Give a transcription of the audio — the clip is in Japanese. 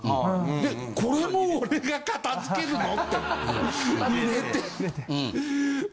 でこれも俺が片づけるの？って入れて。